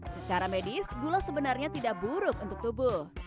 secara medis gula sebenarnya tidak buruk untuk tubuh